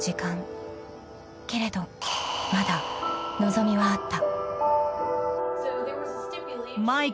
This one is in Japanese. ［けれどまだ望みはあった］